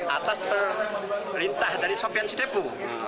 atas perintah dari sopian sidebu